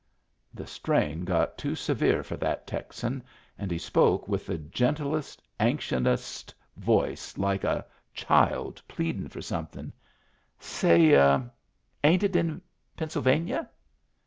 The strain got too severe for that Texan, and he spoke with the gentlest, anxiousest voice, like a child pleadin' for somethin' :—" Say, ain't it in Pennsylvania